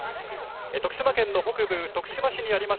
徳島県の北部、徳島市にあります